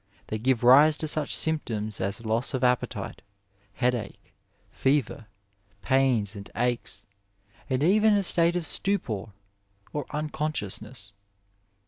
They give rise to such symptoms as loss of appetite, headache, fever, pains and aches, and even a state of stupor or unconscious ness.